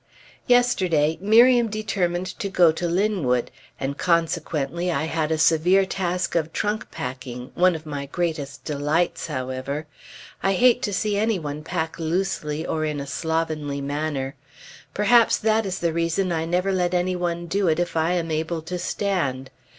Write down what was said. Yesterday Miriam determined to go to Linwood, and consequently I had a severe task of trunk packing, one of my greatest delights, however. I hate to see any one pack loosely or in a slovenly manner. Perhaps that is the reason I never let any one do it if I am able to stand.